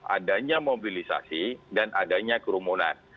adanya mobilisasi dan adanya kerumunan